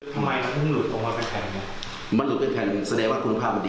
ทำไมมันเพิ่งหลุดออกมาเป็นแผ่น